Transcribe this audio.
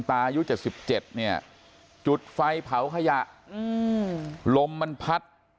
อายุเจ็บสิบเจ็ดเนี่ยจุดไฟเผาขยะอืมลมมันพัด